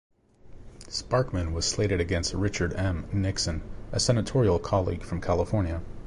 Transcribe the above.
Sparkman was slated against Richard M. Nixon, a senatorial colleague from California.